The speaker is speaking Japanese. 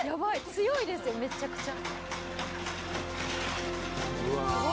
強いですよめちゃくちゃ」